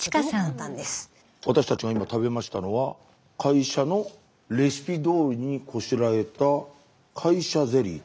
私たちが今食べましたのは会社のレシピどおりにこしらえた会社ゼリー。